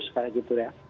tiga ratus kayak gitu ya